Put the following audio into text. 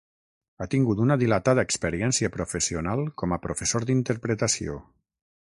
Ha tingut una dilatada experiència professional com a professor d'interpretació.